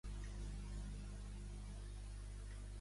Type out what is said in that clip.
Hartford i va treballar a l'Hospital Naval a Annapolis, Maryland.